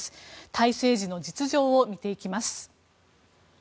タイ政治の実情を見ていきます。